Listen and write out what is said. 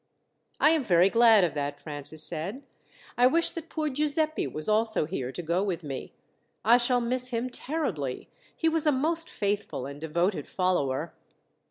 "I am very glad of that," Francis said. "I wish that poor Giuseppi was also here to go with me. I shall miss him terribly. He was a most faithful and devoted follower."